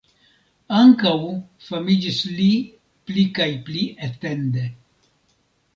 Ankaŭ famiĝis li pli kaj pli etende.